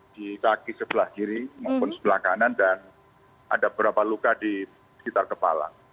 di kaki sebelah kiri maupun sebelah kanan dan ada beberapa luka di sekitar kepala